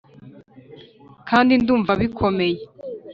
kandi ndumva bikomeye